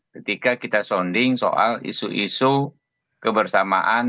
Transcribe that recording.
ketika kita sonding soal isu isu kebersamaan